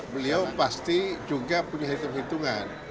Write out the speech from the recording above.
beliau pasti juga punya hitung hitungan